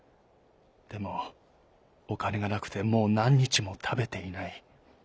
でもおかねがなくてもうなんにちもたべていない。